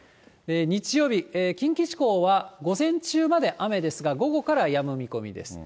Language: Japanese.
日曜日、近畿地方は、午前中まで雨ですが、午後からはやむ見込みです。